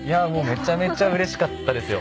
めちゃめちゃうれしかったですよ。